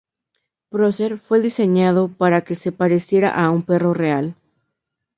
Prócer fue diseñado para que se pareciera a un perro real.